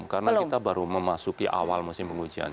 karena kita baru memasuki awal musim penghujan